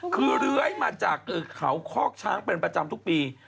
คือเลื้อยมาจากเขาคอกช้างเป็นประจำทุกปี